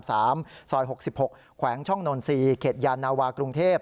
ซอย๖๖แขวงช่องนท์๔เขตยานาวากรุงเทพฯ